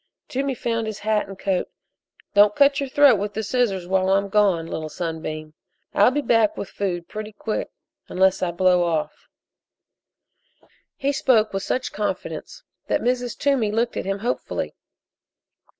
Toomey found his hat and coat. "Don't cut your throat with the scissors while I'm gone, Little Sunbeam, and I'll be back with food pretty quick unless I blow off." He spoke with such confidence that Mrs. Toomey looked at him hopefully.